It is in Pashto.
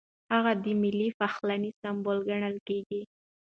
هغه د ملي پخلاینې سمبول ګڼل کېږي.